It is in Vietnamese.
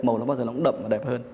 màu nó bao giờ nó cũng đậm và đẹp hơn